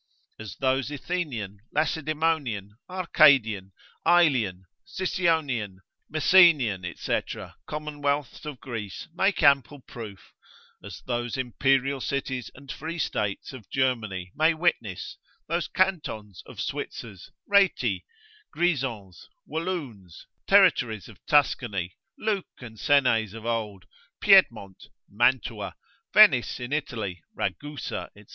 As those Athenian, Lacedaemonian, Arcadian, Aelian, Sycionian, Messenian, &c. commonwealths of Greece make ample proof, as those imperial cities and free states of Germany may witness, those Cantons of Switzers, Rheti, Grisons, Walloons, Territories of Tuscany, Luke and Senes of old, Piedmont, Mantua, Venice in Italy, Ragusa, &c.